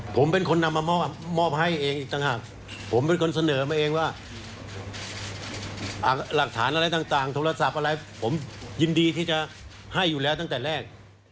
ผมเป็นคนนำมามอบให้เองอีกต่างหากผมเป็นคนเสนอมาเองว่าหลักฐานอะไรต่างโทรศัพท์อะไรผมยินดีที่จะให้อยู่แล้วตั้งแต่แรก